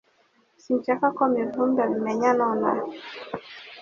Sinshaka ko Mivumbi abimenya nonaha